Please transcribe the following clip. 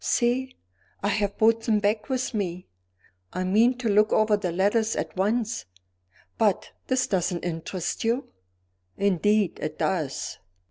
See! I have brought them back with me; I mean to look over the letters at once but this doesn't interest you?" "Indeed it does."